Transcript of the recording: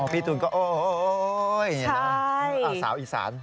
พี่ตูนก็โอ๊ยนี่แหละสาวอิสาน